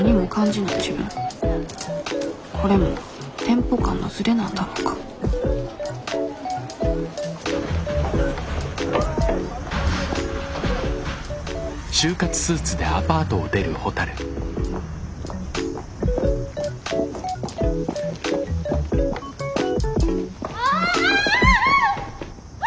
これもテンポ感のズレなんだろうかああ！